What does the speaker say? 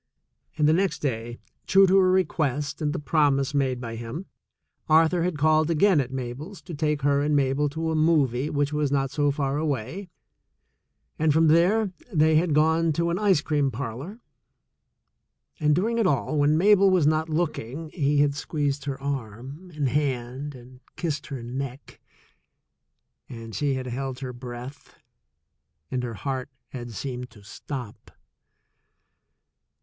And the next day, true to a request and a promise THE SECOND CHOICE 141 made by him, Arthur had called again at Mabel's to take her and Mabel to a "movie" which was not so far away, and from there they had gone to an ice cream parlor, and during it all, when Mabel was not looking, he had squeezed her arm and hand and kissed her neck, and she had held her breath, and her heart had seemed to stop.